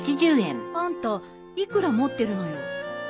あんた幾ら持ってるのよ。